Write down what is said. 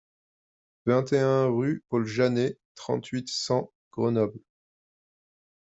vingt et un rue Paul Janet, trente-huit, cent, Grenoble